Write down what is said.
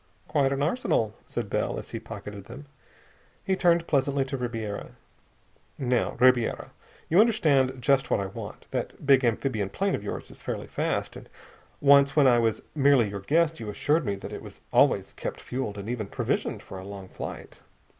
"Quite an arsenal," said Bell as he pocketed them. He turned pleasantly to Ribiera. "Now, Ribiera, you understand just what I want. That big amphibian plane of yours is fairly fast, and once when I was merely your guest you assured me that it was always kept fueled and even provisioned for a long flight.